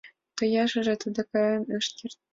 Тояшыже тудо каен ыш керт.